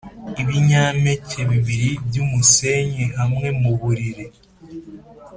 ibinyampeke bibiri byumusenyi hamwe muburiri,